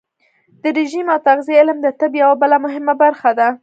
د رژیم او تغذیې علم د طب یوه بله مهمه برخه ده.